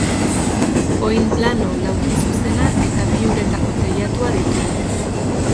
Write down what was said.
Oinplano laukizuzena eta bi uretako teilatua ditu.